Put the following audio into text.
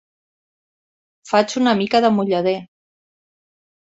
Faig una mica de mullader.